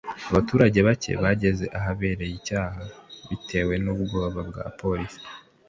Abaturage bacye bageze ahabereye icyaha bitewe n’ubwoba bw’abapolisi